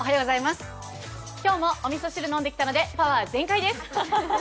今日もおみそ汁を飲んできたので、パワー全開です！